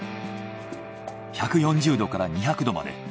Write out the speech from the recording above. １４０℃から２００℃まで。